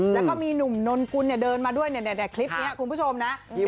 แล้วก็มีหนุ่มนนกุลเดินมาด้วยเนี่ยคลิปนี้คุณผู้ชมนะ